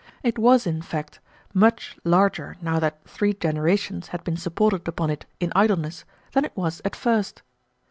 It was, in fact, much larger now that three generations had been supported upon it in idleness, than it was at first.